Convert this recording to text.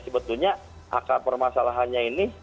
sebetulnya akar permasalahannya ini